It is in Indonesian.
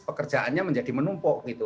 pekerjaannya menjadi menumpuk gitu